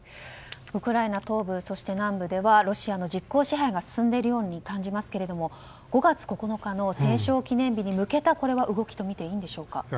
ウクライナ東部、南部ではロシアの実効支配が進んでいるように感じますが５月９日の戦勝記念日に向けた動きとみていいんでしょうか。